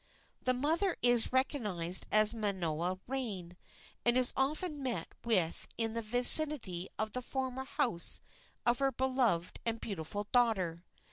The mother is recognized as Manoa Rain, and is often met with in the vicinity of the former home of her beloved and beautiful daughter.